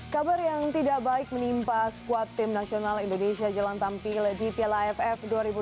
kabar yang tidak baik menimpa squad tim nasional indonesia jalan tampil di plaff dua ribu enam belas